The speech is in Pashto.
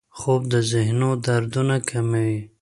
خوب د ذهنو دردونه کموي